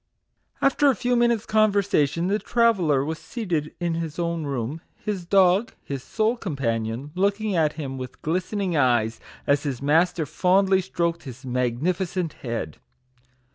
After a few minutes' conversation, the tra veller was seated in his own room, his dog, his sole companion, looking at him with glisten ing eyes, as his master fondly stroked his mag nificent head.